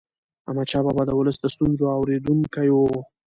احمدشاه بابا د ولس د ستونزو اورېدونکی و.